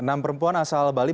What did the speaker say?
enam perempuan asal bali